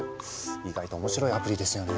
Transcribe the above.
意外と面白いアプリですよね。